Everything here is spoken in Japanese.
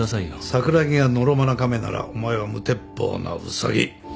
桜木がのろまなカメならお前は無鉄砲なウサギ